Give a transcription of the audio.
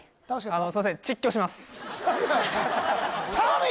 あのすいません